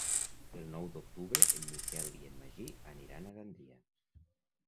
El nou d'octubre en Miquel i en Magí aniran a Gandia.